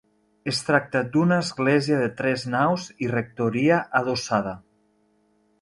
Es tracta d'una església de tres naus i rectoria adossada.